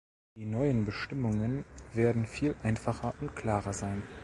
Die neuen Bestimmungen werden viel einfacher und klarer sein.